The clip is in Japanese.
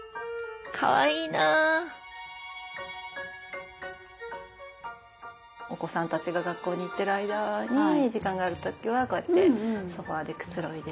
かわいいなお子さんたちが学校に行ってる間に時間がある時はこうやってソファーでくつろいで。